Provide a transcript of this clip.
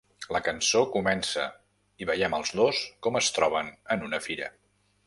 La cançó comença i veiem els dos com es troben en una fira.